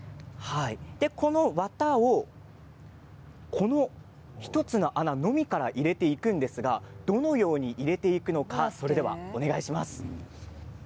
この綿を、この１つの穴のみから入れていくんですがどのように入れていくのかお願いします。